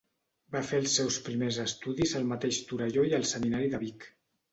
Va fer els seus primers estudis al mateix Torelló i al Seminari de Vic.